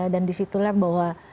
dan disitulah bahwa